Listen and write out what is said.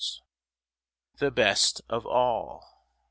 THE BEST OF ALL.